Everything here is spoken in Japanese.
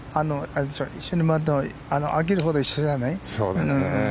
一緒に回って飽きるほど一緒じゃない？